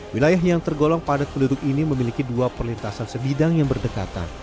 wilayah yang tergolong padat penduduk ini memiliki dua perlintasan sebidang yang berdekatan